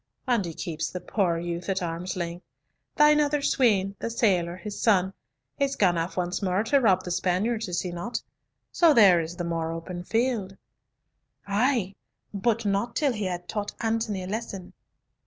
"And he keeps the poor youth at arm's length. Thine other swain, the sailor, his son, is gone off once more to rob the Spaniards, is he not?—so there is the more open field." "Ay! but not till he had taught Antony a lesson."